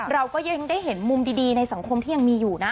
เราก็ยังได้เห็นมุมดีในสังคมที่ยังมีอยู่นะ